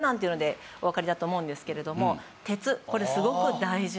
なんていうのでおわかりだと思うんですけれども。